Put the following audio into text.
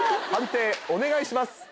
判定お願いします。